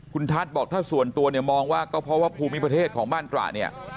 คุณทัศน์บอกถ้าส่วนตัวเนี่ยมองว่าก็เพราะว่าภูมิประเทศของบ้านตระเนี่ย